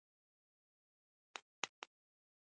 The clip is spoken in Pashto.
دا کور نوی جوړ شوی دی.